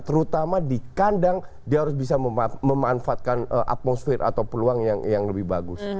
terutama di kandang dia harus bisa memanfaatkan atmosfer atau peluang yang lebih bagus